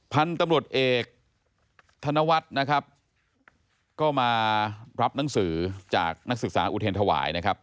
พันธุ์ตำรวจเอกธนวัฒน์นะครับก็มารับหนังสือจากนักศึกษาอุเทรนธวายนะครับ